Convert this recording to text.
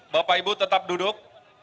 bapak ibu tetap duduk